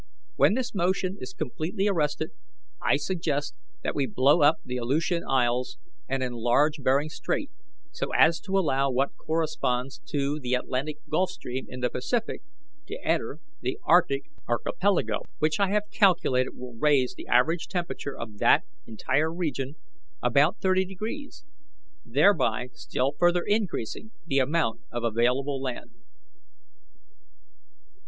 When this motion is completely arrested, I suggest that we blow up the Aleutian Isles and enlarge Bering Strait, so as to allow what corresponds to the Atlantic Gulf Stream in the Pacific to enter the Arctic Archipelago, which I have calculated will raise the average temperature of that entire region about thirty degrees, thereby still further increasing the amount of available land.